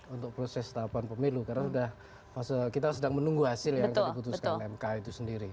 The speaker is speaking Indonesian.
untuk proses tahapan pemilu karena kita sedang menunggu hasil yang kami putuskan mk itu sendiri